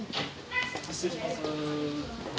失礼します。